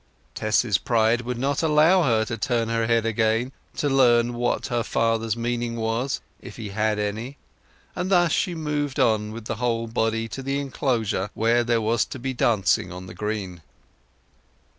Tess's pride would not allow her to turn her head again, to learn what her father's meaning was, if he had any; and thus she moved on with the whole body to the enclosure where there was to be dancing on the green.